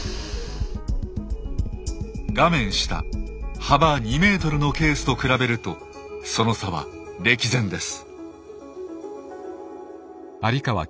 画面下幅２ｍのケースと比べるとその差は歴然です。